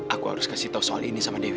aku harus kasih tahu soal ini sama dewi